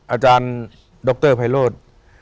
อาจารย์ดรไพโรธ